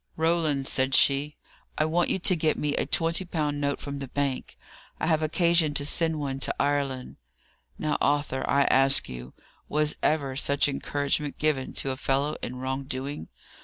'Roland,' said she, 'I want you to get me a twenty pound note from the bank; I have occasion to send one to Ireland.' Now, Arthur, I ask you, was ever such encouragement given to a fellow in wrong doing?